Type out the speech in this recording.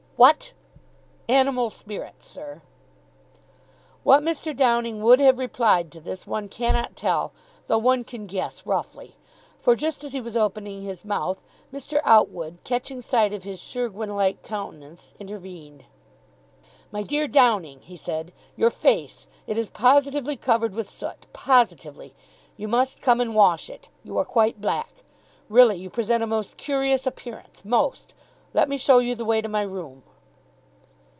"WHAT!" "Animal spirits, sir." What Mr. Downing would have replied to this one cannot tell, though one can guess roughly. For, just as he was opening his mouth, Mr. Outwood, catching sight of his Chirgwin like countenance, intervened. "My dear Downing," he said, "your face. It is positively covered with soot, positively. You must come and wash it. You are quite black. Really, you present a most curious appearance, most. Let me show you the way to my room."